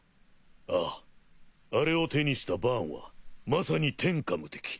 あぁあれを手にしたバーンはまさに天下無敵。